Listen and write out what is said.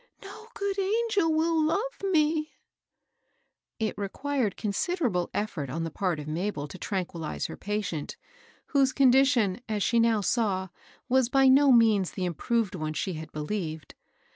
— no good angel will love me I " It required considerable effort on the part of Mabel to tranquillize her patient, whose condition, as she now saw, was by no means the improved one she had believed.